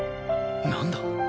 何だ？